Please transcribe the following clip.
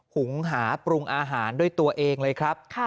หุงหาปรุงอาหารด้วยตัวเองเลยครับ